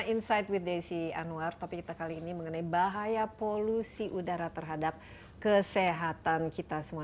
insight with desi anwar topik kita kali ini mengenai bahaya polusi udara terhadap kesehatan kita semua